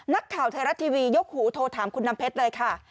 นักข่าวไทยรัฐทีวียกหูโทรถามคุณน้ำเพชรเลยค่ะ